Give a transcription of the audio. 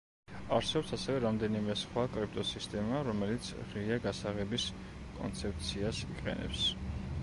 არსებობს ასევე რამდენიმე სხვა კრიპტოსისტემა, რომელიც ღია გასაღების კონცეფციას იყენებს.